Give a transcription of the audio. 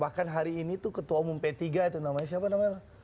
bahkan hari ini tuh ketua umum p tiga itu namanya siapa namanya